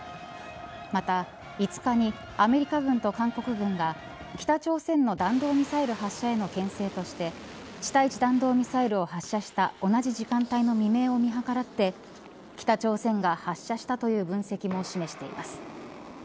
また、５日にアメリカ軍と韓国軍が北朝鮮の弾道ミサイル発射へのけん制として地対地弾道ミサイルを発射した同じ時間帯の未明を見計らって北朝鮮が発射したという分析も示しています。